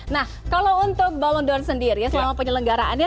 nah kalau untuk ballon d or sendiri selama penyelenggaraannya